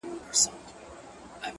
بيا د تورو سترګو و بلا ته مخامخ يمه _